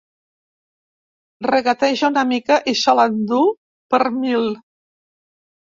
Regateja una mica i se l'endú per mil.